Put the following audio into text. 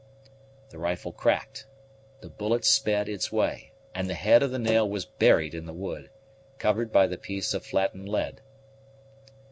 The rifle cracked, the bullet sped its way, and the head of the nail was buried in the wood, covered by the piece of flattened lead.